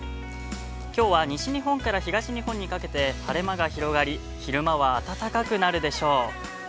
きょうは、西日本から東日本にかけて、晴れ間が広がり、昼間は暖かくなるでしょう。